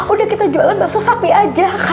udah kita jualan bakso sapi aja